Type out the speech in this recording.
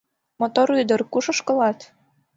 — Мотор ӱдыр, куш ошкылат?